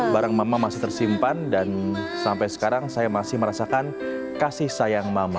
barang mama masih tersimpan dan sampai sekarang saya masih merasakan kasih sayang mama